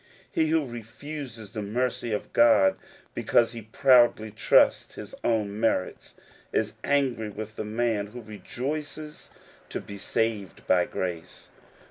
He who refuses the mercy of God because he proudly trusts his own merits, is angry with the man who rejoices to be saved by grace.